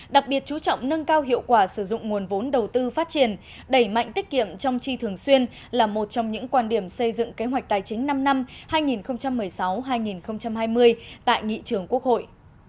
đặc biệt chú trọng nâng cao hiệu quả sử dụng nguồn vốn đầu tư phát triển đẩy mạnh tiết kiệm trong chi thường xuyên là một trong những quan điểm xây dựng kế hoạch tài chính năm năm hai nghìn một mươi sáu hai nghìn hai mươi tại nghị trường quốc hội